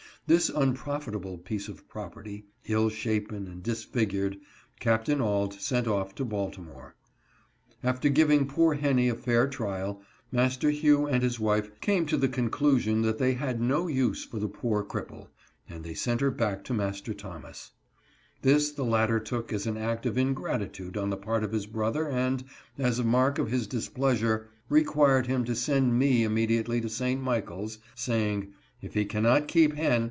This unprofitable piece of property, ill shapen, and disfigured, Capt. Auld sent off to Baltimore. After giving poor Henny a fair trial, Master Hugh and his wife came to the conclusion that they had no use for the poor cripple, and they sent her back to Master Thomas This the latter took as an act of ingratitude on the part of his brother and, as a mark of his displeasure, required him to send me immediately to St. Michaels, saying, " if he cannot keep Hen.